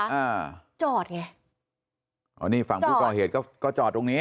อ่าจอดไงอ๋อนี่ฝั่งผู้ก่อเหตุก็ก็จอดตรงนี้